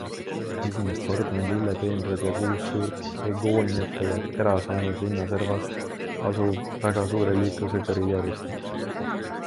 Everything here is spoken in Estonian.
Esimest korda on lillepeenrad ja kuus suurt begooniatega kera saanud linna servas asuv väga suure liiklusega Riia ringristmik.